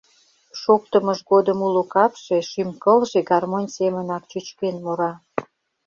Шоктымыж годым уло капше, шӱм-кылже гармонь семынак чӱчкен мура.